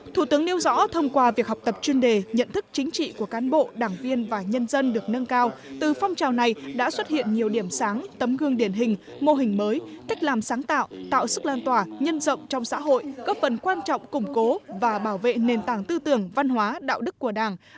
thủ tướng nêu rõ thông qua việc học tập chuyên đề nhận thức chính trị của cán bộ đảng viên và nhân dân được nâng cao từ phong trào này đã xuất hiện nhiều điểm sáng tấm gương điển hình mô hình mới cách làm sáng tạo tạo sức lan tỏa nhân rộng trong xã hội góp phần quan trọng củng cố và bảo vệ nền tảng tư tưởng văn hóa đạo đức của đảng